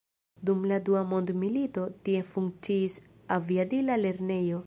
Dum la dua mondmilito, tie funkciis aviadila lernejo.